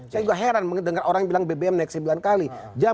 saya juga heran dengar orang bilang bbm naik sembilan kali